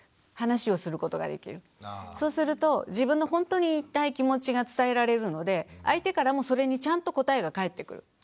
そうすると自分のほんとに言いたい気持ちが伝えられるので相手からもそれにちゃんと答えが返ってくる。